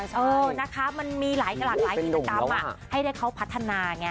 เอ่อมันมีหลากกิจกรรมให้เขาพัฒนา